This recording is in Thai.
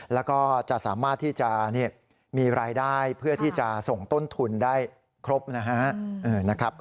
แล้วก็จะสามารถที่จะมีรายได้เพื่อที่จะส่งต้นทุนได้ครบนะฮะ